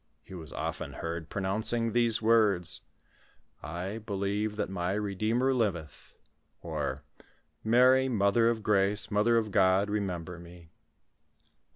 He was often heard pro nouncing these words :" I believe that my Redeemer liveth," or, " Mary, mother of grace, mother of God, remember me."